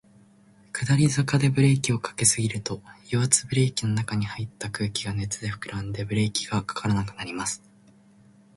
下り坂でブレーキを掛けすぎると、油圧ブレーキの中に入った空気が熱で膨らんで、ブレーキが掛からなくなります。